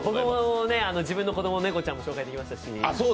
自分の子供の猫ちゃんも紹介できましたし。